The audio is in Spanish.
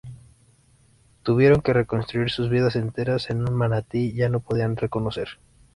Tuvieron que reconstruir sus vidas enteras en un Manatí ya no podían reconocer.